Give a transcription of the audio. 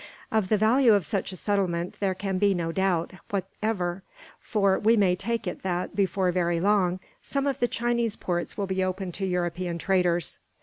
"Of the value of such a settlement there can be no doubt, whatever; for we may take it that, before very long, some of the Chinese ports will be open to European traders."